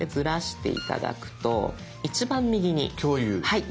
はい。